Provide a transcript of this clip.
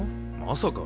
まさか。